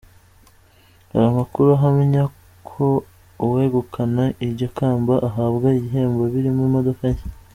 Hari amakuru ahamya ko uwegukana iryo kamba ahabwa ibihembo birimo imodoka nshya.